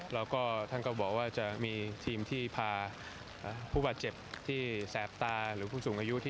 แล้วก็ท่านก็บอกว่าจะมีทีมที่พาผู้บาดเจ็บที่แสบตาหรือผู้สูงอายุ